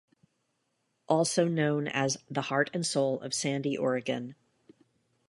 Also known as 'The heart and soul of Sandy Oregon.